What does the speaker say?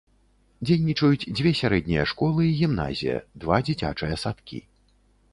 Дзейнічаюць дзве сярэднія школы і гімназія, два дзіцячыя садкі.